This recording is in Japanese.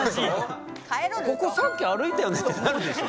「ここさっき歩いたよね」ってなるでしょ。